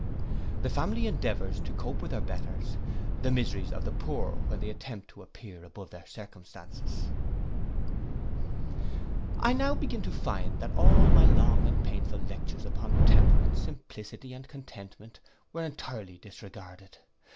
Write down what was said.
The family endeavours to cope with their betters. The miseries of the poor when they attempt to appear above their circumstances. I now began to find that all my long and painful lectures upon temperance, simplicity, and contentment, were entirely disregarded.